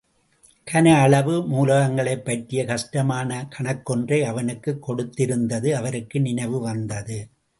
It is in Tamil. கனஅளவு மூலங்களைப்பற்றிய கஷ்டமான கணக்கொன்றை அவனுக்குக் கொடுத்திருந்தது அவருக்கு நினைவுவந்தது.